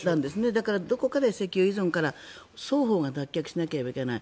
だから、どこかで石油依存から双方が脱却しなければいけない。